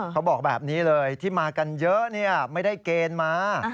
เขาบอกแบบนี้เลยที่มากันเยอะไม่ได้เกณฑ์มา